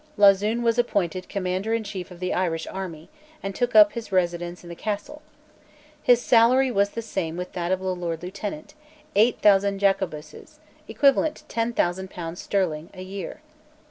Lauzun was appointed Commander in Chief of the Irish army, and took up his residence in the Castle, His salary was the same with that of the Lord Lieutenant, eight thousand Jacobuses, equivalent to ten thousand pounds sterling, a year.